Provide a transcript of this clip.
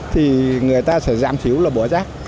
thì người ta sẽ giảm thiếu là bỏ rác